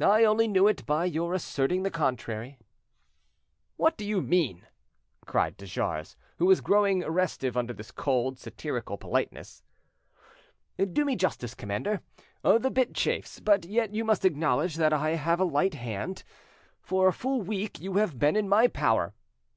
"I only knew it by your asserting the contrary." "What do you mean?" cried de Jars, who was growing restive under this cold, satirical politeness. "Do me justice, commander. The bit chafes, but yet you must acknowledge that I have a light hand. For a full week you have been in my power.